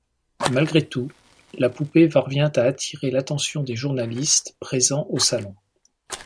Malgré tout, la poupée parvient à attirer l'attention des journalistes présents au salon.